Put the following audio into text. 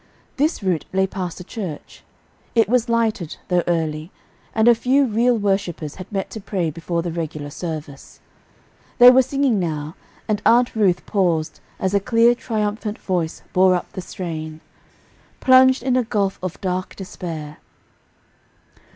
This route lay past a church. It was lighted, though early, and a few real worshipers had met to pray before the regular service. They were singing now, and Aunt Ruth paused, as a clear, triumphant voice bore up the strain, "Plunged in a gulf of dark despair."